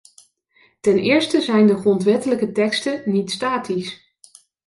Ten eerste zijn de grondwettelijke teksten niet statisch.